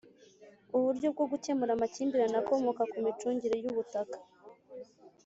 uburyo bwo gukemura amakimbirane akomoka ku micungire y'ubutaka